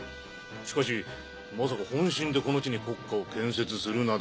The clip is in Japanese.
しかしまさか本心でこの地に国家を建設するなど。